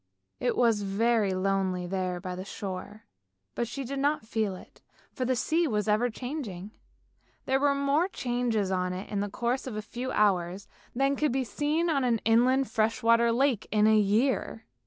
It was very lonely there by the shore, but she did not feel it, for the sea was ever changing. There were more changes on it in the course of a few hours than could be 42 ANDERSEN'S FAIRY TALES seen on an inland fresh water lake in a year.